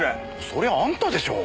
それはあんたでしょ！